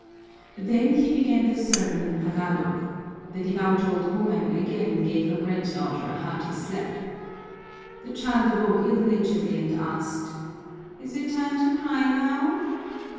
Then he began the sermon in Tagalog. The devout old woman again gave her granddaughter a hearty slap. The child awoke ill naturedly and asked, "Is it time to cry now?"